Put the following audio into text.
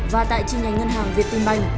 và tại trình nhánh ngân hàng việt tinh banh